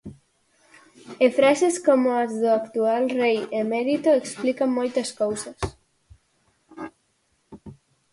E frases como as do actual rei emérito explican moitas cousas.